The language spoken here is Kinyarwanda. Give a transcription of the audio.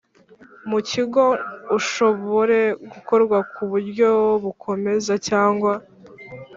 Mu kigo ushobore gukorwa ku buryo bukomeza cyangwa